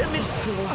ya min allah